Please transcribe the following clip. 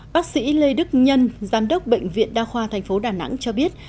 bác sĩ lê đức nhân giám đốc bệnh viện đa khoa tp đà nẵng cho biết